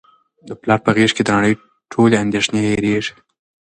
د پلار په غیږ کي د نړۍ ټولې اندېښنې هیرېږي.